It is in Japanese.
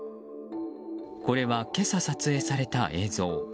これは今朝、撮影された映像。